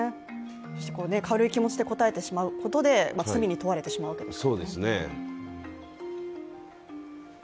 軽い気持ちで応えてしまうことで罪に問われてしまうわけですからね。